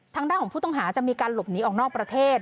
ทางด้านของผู้ต้องหาจะมีการหลบหนีออกนอกประเทศ